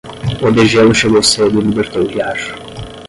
O degelo chegou cedo e libertou o riacho.